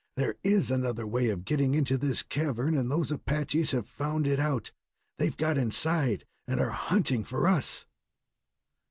There is another way of getting into this cavern, and those Apaches have found it out. They've got inside and are hunting for us!"